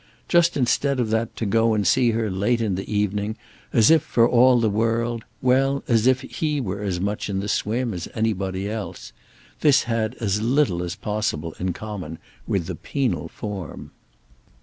Just instead of that to go and see her late in the evening, as if, for all the world—well, as if he were as much in the swim as anybody else: this had as little as possible in common with the penal form.